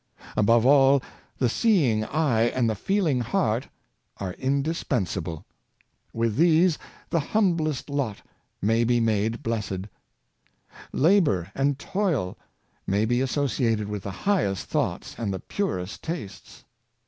Above all, the seeing eye and the feeling heart are indispensable. With these, the humblest lot may be made blessed» Labor and toil may be associated with the highest thoughts and the purest tastes.